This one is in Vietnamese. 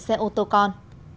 xe ô tô con